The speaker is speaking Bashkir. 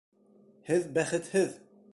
Һеҙ бәхетһеҙ!